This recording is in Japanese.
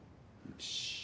よし。